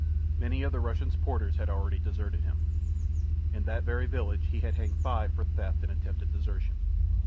Many of the Russian's porters had already deserted him. In that very village he had hanged five for theft and attempted desertion.